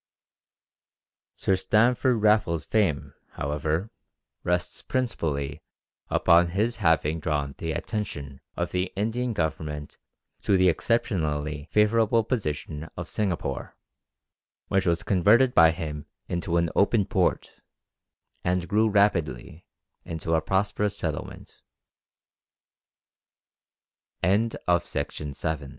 Sir Stamford Raffles' fame, however rests principally upon his having drawn the attention of the Indian Government to the exceptionally favourable position of Singapore, which was converted by him into an open port, and grew rapidly into a prosperous sett